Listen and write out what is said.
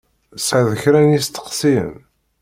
Tesεiḍ kra n yisteqsiyen?